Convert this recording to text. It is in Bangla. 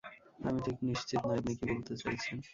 আমি ঠিক নিশ্চিত নই আপনি কী বলতে চাইছেন।